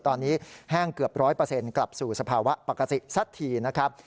ตอนนี้แห้งเกือบ๑๐๐กลับสู่สภาวะปกติสักทีนะครับ